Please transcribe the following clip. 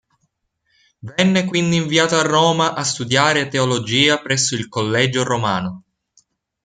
Venne quindi inviato a Roma a studiare teologia presso il Collegio Romano.